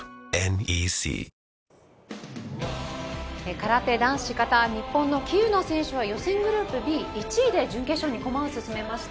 空手男子形日本の喜友名選手は予選グループＢ１位で準決勝に駒を進めました。